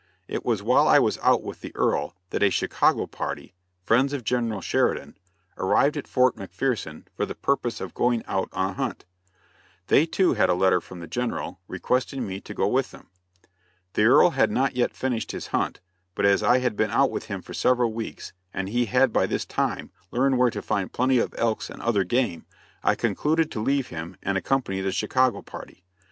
It was while I was out with the Earl, that a Chicago party friends of General Sheridan arrived at Fort McPherson for the purpose of going out on a hunt. They, too, had a letter from, the General requesting me to go with them. The Earl had not yet finished his hunt, but as I had been out with him for several weeks, and he had by this time learned where to find plenty of elks and other game, I concluded to leave him and accompany the Chicago party.